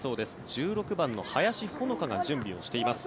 １６番の林穂之香が準備しています。